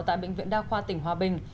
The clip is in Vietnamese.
tại bệnh viện đa khoa tỉnh hòa bình